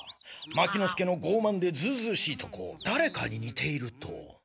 牧之介のごうまんでずうずうしいとこだれかににていると。